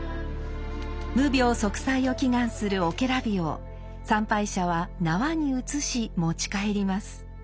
無病息災を祈願するをけら火を参拝者は縄に移し持ち帰ります。